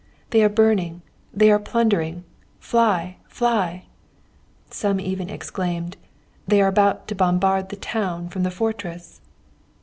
'They are burning, they are plundering fly! fly!' Some even exclaimed, 'They are about to bombard the captured town from the fortress!'